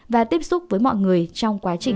và tiếp xúc với mọi người trong quá trình di chuyển